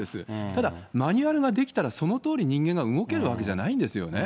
ただ、マニュアルが出来たらそのとおり、人間が動けるわけじゃないんですよね。